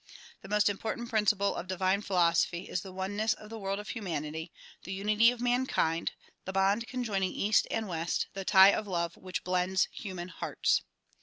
The most important principle of divine philosophy is the oneness of the world of humanity, the unity of mankind, the bond conjoining east and west, the tie of love which blends human hearts.